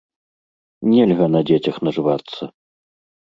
Нельга на дзецях нажывацца.